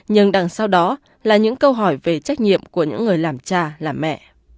nhưng đằng sau đó là những câu hỏi về trách nhiệm của những người làm cha làm mẹ